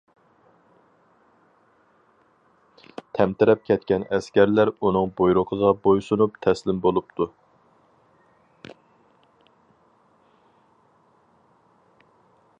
تەمتىرەپ كەتكەن ئەسكەرلەر ئۇنىڭ بۇيرۇقىغا بويسۇنۇپ تەسلىم بولۇپتۇ.